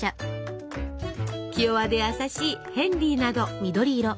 気弱で優しい「ヘンリー」など。